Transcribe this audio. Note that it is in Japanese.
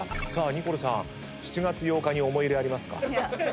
ニコルさん７月８日に思い入れありますか？